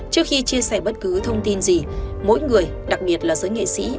trước khi chia sẻ bất cứ thông tin gì mỗi người đặc biệt là giới nghệ sĩ